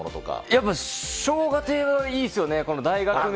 やっぱしょうが亭はいいです